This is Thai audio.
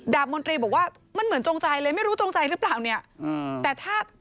ดาบมนตรีบอกว่ามันเหมือนจงใจเลยไม่รู้จงใจหรือเปล่า